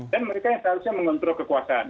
dan mereka yang seharusnya mengontrol kekuasaan